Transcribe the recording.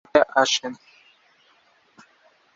জলাশয়ের নিকটে একটি বাগান রয়েছে, যেখানে পর্যটকরা ঘুরতে আসেন।